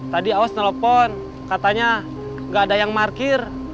tadi aus nelfon katanya gak ada yang markir